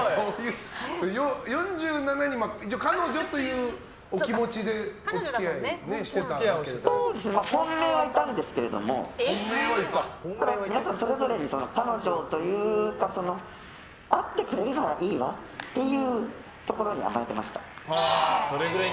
４７人、一応彼女というお気持ちで本命はいたんですけどもそれぞれに彼女というか会ってくれればいいわっていうところに甘えていました。